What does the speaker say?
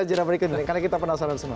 karena kita penasaran semua